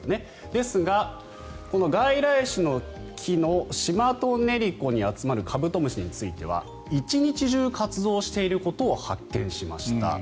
ですが、外来種の木のシマトネリコに集まるカブトムシについては１日中活動していることを発見しました。